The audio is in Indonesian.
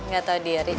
gak tau dia